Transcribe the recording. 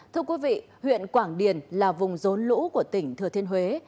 thưa quý vị huyện quảng điền là vùng rốn lũ của tỉnh thừa thiên huế